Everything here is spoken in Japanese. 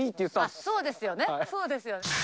そうですよね。